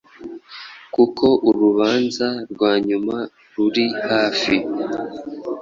kuko Urubanza rwanyuma ruri hafi.